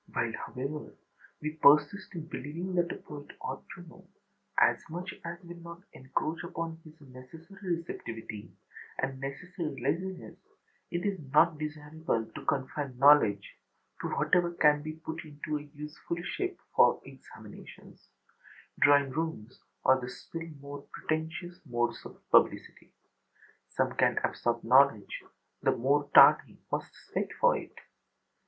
While, however, we persist in believing that a poet ought to know as much as will not encroach upon his necessary receptivity and necessary laziness, it is not desirable to confine knowledge to whatever can be put into a useful shape for examinations, drawing rooms, or the still more pretentious modes of publicity. Some can absorb knowledge, the more tardy must sweat for it.